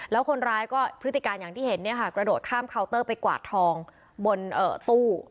แล้วคนร้ายก็พฤติการอย่างที่เห็นเนี่ยค่ะกระโดดข้ามเคาน์เตอร์ไปกวาดทองบนตู้